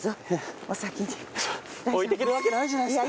置いてけるわけないじゃないですか。